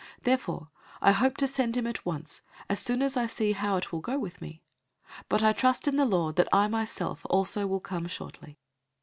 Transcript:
002:023 Therefore I hope to send him at once, as soon as I see how it will go with me. 002:024 But I trust in the Lord that I myself also will come shortly.